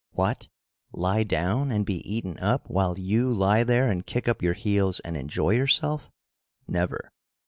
"What! Lie down and be eaten up while you lie there and kick up your heels and enjoy yourself? Never.